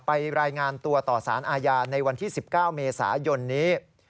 รายงานตัวต่อสารอาญาในวันที่๑๙เมษายนนี้